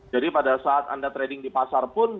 jadi pada saat anda trading di pasar pun